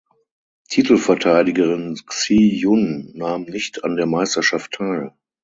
Titelverteidigerin Xie Jun nahm nicht an der Meisterschaft teil.